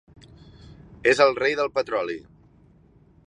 És el rei del petroli.